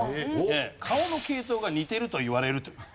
顔の系統が似てると言われるという。